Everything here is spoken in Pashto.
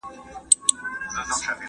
موږ باید په خپلو ځانونو باور ولرو.